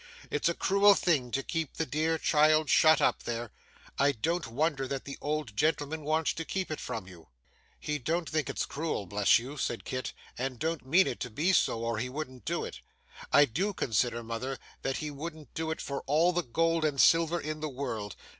It's a cruel thing to keep the dear child shut up there. I don't wonder that the old gentleman wants to keep it from you.' 'He don't think it's cruel, bless you,' said Kit, 'and don't mean it to be so, or he wouldn't do it I do consider, mother, that he wouldn't do it for all the gold and silver in the world.